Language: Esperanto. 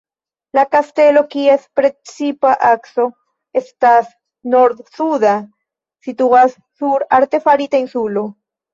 La kastelo, kies precipa akso estas nord-suda, situas sur artefarita insulo.